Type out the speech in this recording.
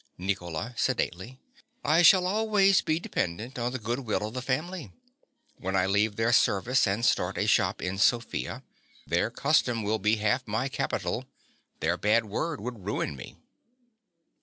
NICOLA. (sedately). I shall always be dependent on the good will of the family. When I leave their service and start a shop in Sofia, their custom will be half my capital: their bad word would ruin me.